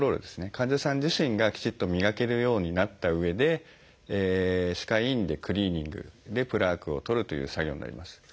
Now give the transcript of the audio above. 患者さん自身がきちっと磨けるようになったうえで歯科医院でクリーニングでプラークを取るという作業になります。